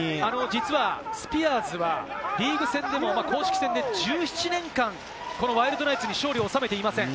実はスピアーズは、リーグ戦でも公式戦で１７年間、このワイルドナイツに勝利を収めていません。